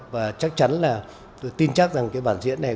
và chắc chắn là tôi tin chắc rằng cái bản diễn này